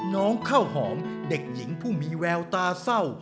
น้องข้าวหอมเด็กหญิงผู้มีแววตาเศร้า